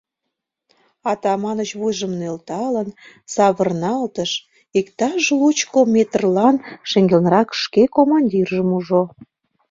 Атаманыч, вуйжым нӧлталын, савырналтыш: иктаж лучко метрлан шеҥгелнырак шке командиржым ужо.